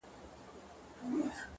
د وخت احترام د ژوند احترام دی.!